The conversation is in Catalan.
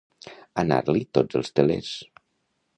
Anar-li tots els telers.